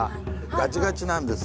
ガチガチなんです。